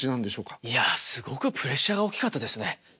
いやすごくプレッシャーが大きかったですね。